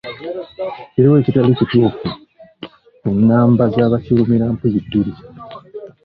Kiriwa ekitali kituufu ku nnamba z'abakirumirampuyibbiri.